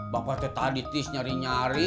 bapak tetah ditis nyari nyari